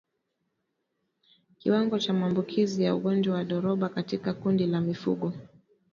Kiwango cha maambukizi ya ugonjwa wa ndorobo katika kundi la mifugo